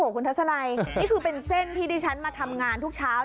คุณทัศนัยนี่คือเป็นเส้นที่ดิฉันมาทำงานทุกเช้า